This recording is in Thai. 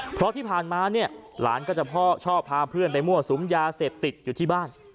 เพราะที่ผ่านมาเนี่ยหลานก็จะพ่อชอบพาเพื่อนไปมั่วสุมยาเสพติดอยู่ที่บ้าน